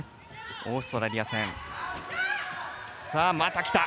オーストラリア戦。